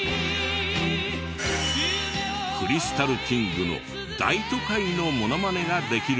クリスタルキングの『大都会』のモノマネができるという。